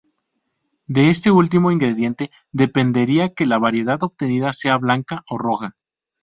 De este último ingrediente dependerá que la variedad obtenida sea blanca o roja.